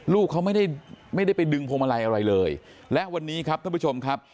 ลูกเขาไม่ได้ไม่ได้ไปดึงพวงมาลัยอะไรเลยและวันนี้ครับท่านผู้ชมครับ